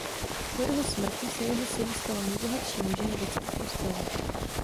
Po jeho smrti se jeho syn stal nejbohatším mužem britských ostrovů.